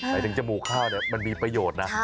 หมายถึงจมูกข้าวมันมีประโยชน์นะ